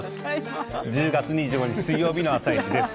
１０月２５日水曜日の「あさイチ」です。